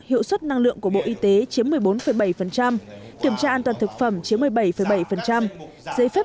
hiệu suất năng lượng của bộ y tế chiếm một mươi bốn bảy kiểm tra an toàn thực phẩm chiếm một mươi bảy bảy giấy phép